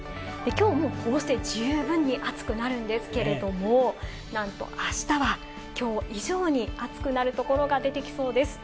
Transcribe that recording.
きょうもこうして十分に暑くなるんですけれども、なんと明日はきょう以上に暑くなるところが出てきそうです。